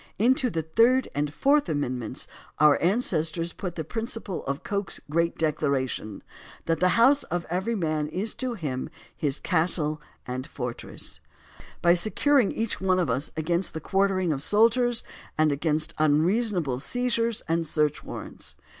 Into the third and fourth amendments our ancestors put the principle of Coke's great declaration that "the house of every man is to him as his castle THE BILL OF RIGHTS 119 and fortress" by securing each one of us against the quartering of soldiers and against unreasonable seiz ures and search warrants.